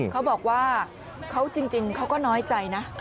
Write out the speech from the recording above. เขาบอกว่าเขาจริงเขาก็น้อยใจนะ